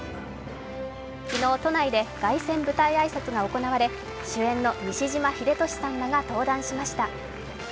昨日都内で凱旋舞台挨拶が行われ、主演の西島秀俊さんらが登壇しました。